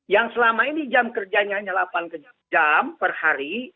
yang selama ini jam kerjanya hanya delapan jam per hari